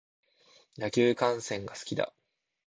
野球観戦が好きだ。